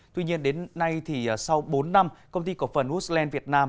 tuy nhiên đến nay thì sau bốn năm công ty cổ phần woodland việt nam